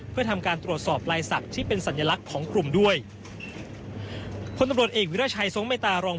เพื่อทำการตรวจสอบลายศักดิ์ที่เป็นสัญลักษณ์ของกลุ่มด้วยพลตำรวจเอกวิราชัยทรงเมตตารอง